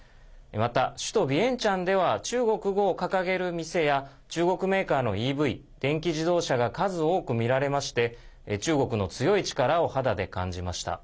また、首都ビエンチャンでは中国語を掲げる店や中国メーカーのＥＶ＝電気自動車が数多く見られまして中国の強い力を肌で感じました。